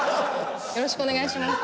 よろしくお願いします